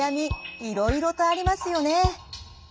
いろいろとありますよね。